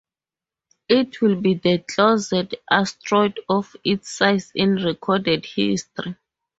It will be the closest asteroid of its size in recorded history.